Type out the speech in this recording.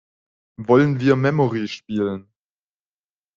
Wollen wir Memory spielen?